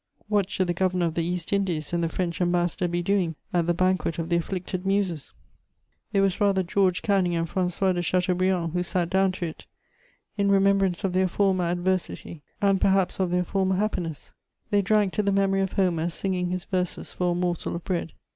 What should the Governor of the East Indies and the French Ambassador be doing at the banquet of the afflicted muses? It was rather George Canning and François de Chateaubriand who sat down to it, in remembrance of their former adversity and perhaps of their former happiness: they drank to the memory of Homer singing his verses for a morsel of bread.